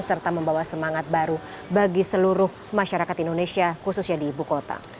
serta membawa semangat baru bagi seluruh masyarakat indonesia khususnya di ibu kota